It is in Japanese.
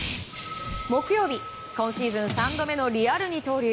木曜日、今シーズン３度目のリアル二刀流。